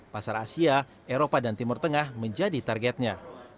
pasar asia eropa dan timur tengah menjadi targetnya